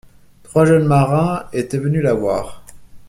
Trois jeunes marins étaient venus la voir.